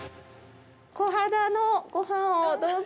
コハダのごはんをどうぞ。